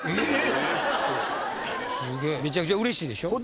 めちゃくちゃうれしいでしょ？